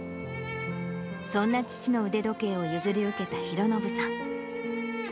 そんな父の腕時計を譲り受けたひろのぶさん。